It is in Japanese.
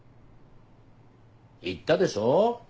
言ったでしょ？